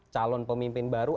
calon pemimpin baru